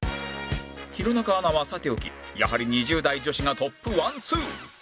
弘中アナはさておきやはり２０代女子がトップ１２